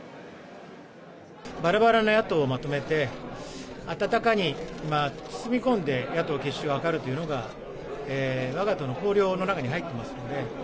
ばらばらの野党をまとめて、温かに包み込んで、野党結集を図るというのが、わが党の綱領の中